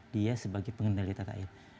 dia sebagai pengendali tanah air